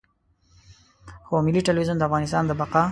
خو ملي ټلویزیون د افغانستان د بقا.